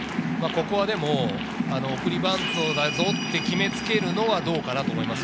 送りバントだぞと決めつけるのはどうかと思います。